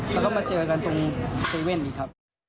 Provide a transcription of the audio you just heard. แล้วก็มาเจอกันตรงเว่นอีกครับ